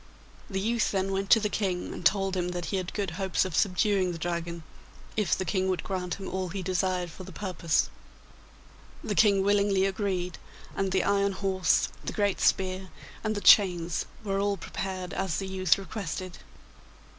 The youth then went to the King and told him that he had good hopes of subduing the Dragon, if the King would grant him all he desired for the purpose. The King willingly agreed, and the iron horse, the great spear, and the chains were all prepared as the youth requested.